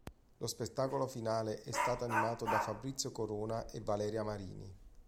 Lo spettacolo finale è stato animato da Fabrizio Corona e Valeria Marini.